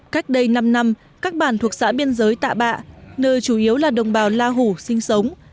cách đây năm năm các bản thuộc xã biên giới tạ bạ nơi chủ yếu là đồng bào la hủ sinh sống